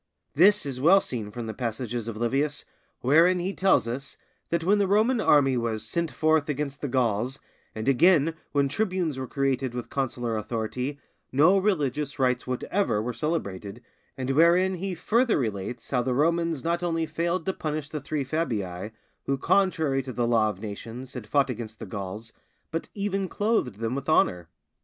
This is well seen from those passages of Livius wherein he tells us that when the Roman army was 'sent forth against the Gauls, and again when tribunes were created with consular authority, no religious rites whatever were celebrated, and wherein he further relates how the Romans not only failed to punish the three Fabii, who contrary to the law of nations had fought against the Gauls, but even clothed them with honour.